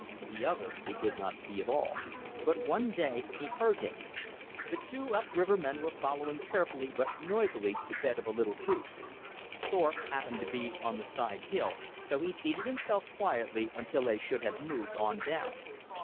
The other he did not see at all. But one day he heard him. The two up river men were following carefully but noisily the bed of a little creek. Thorpe happened to be on the side hill, so he seated himself quietly until they should have moved on down.